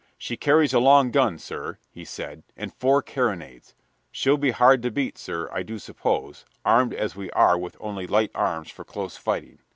"She carries a long gun, sir," he said, "and four carronades. She'll be hard to beat, sir, I do suppose, armed as we are with only light arms for close fighting."